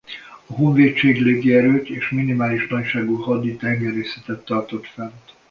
A honvédség légierőt és minimális nagyságú haditengerészetet tartott fent.